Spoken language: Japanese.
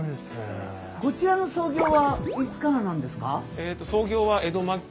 こちらの創業はいつからなんですか？